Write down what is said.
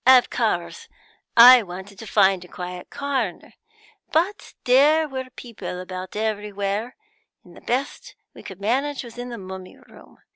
Of course I wanted to find a quiet corner, but there were people about everywhere, and the best we could manage was in the mummy room.